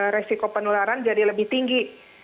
resiko penularan jadi lebih tinggi